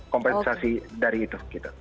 kompensasi dari itu gitu